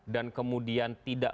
dan kemudian tidak